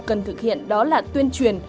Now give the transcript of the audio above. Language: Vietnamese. cần thực hiện đó là tuyên truyền